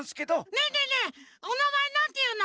ねえねえねえおなまえなんていうの？